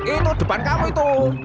itu depan kamu itu